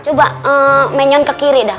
coba menyon ke kiri dah